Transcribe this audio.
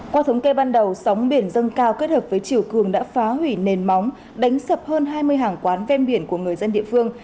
qua thống kê ban đầu sóng biển dâng cao kết hợp với chiều cường đã phá hủy nền móng đánh sập hơn hai mươi hàng quán ven biển của người dân địa phương